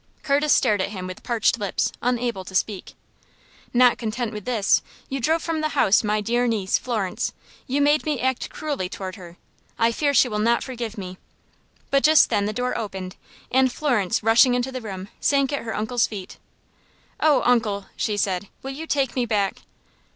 Curtis stared at him with parched lips, unable to speak. "Not content with this, you drove from the house my dear niece, Florence. You made me act cruelly toward her. I fear she will not forgive me." But just then the door opened, and Florence, rushing into the room, sank at her uncle's feet. "Oh, uncle," she said, "will you take me back?"